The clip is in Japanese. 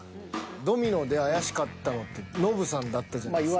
ドミノで怪しかったのってノブさんだったじゃないですか。